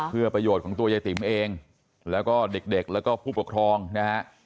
เพื่อประโยชน์ของตัวยายติ๋มเองแล้วก็เด็กแล้วก็ผู้ปกครองนะฮะ